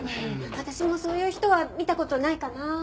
私もそういう人は見た事ないかな。